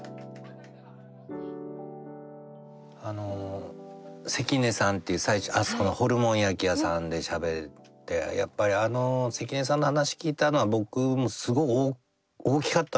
あの関根さんっていうあそこのホルモン焼き屋さんでしゃべってやっぱりあの関根さんの話聞いたのは僕もすごい大きかったんですよ。